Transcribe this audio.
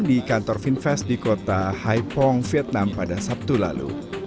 di kantor finvest di kota hai pong vietnam pada sabtu lalu